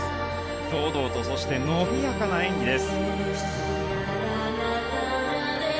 堂々とそして伸びやかな演技です。